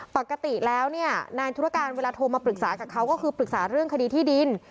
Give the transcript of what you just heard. ปกติแล้วเนี่ยนายธุรการเวลาโทรมาปรึกษากับเขาก็คือปรึกษาเรื่องคดีที่ดิน